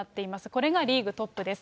これがリーグトップです。